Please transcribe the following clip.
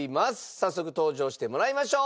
早速登場してもらいましょう。